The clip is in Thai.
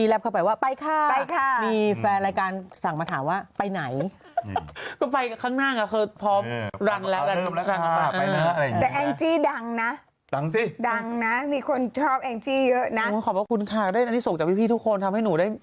นะมากแล้วนะไม่ค่อยขอบคุณค่ะเลยส่งเจ้าพี่ทุกคนทำให้หนูได้